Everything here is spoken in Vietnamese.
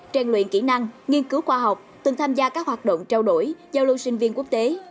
trang luyện kỹ năng nghiên cứu khoa học từng tham gia các hoạt động trao đổi giao lưu sinh viên quốc tế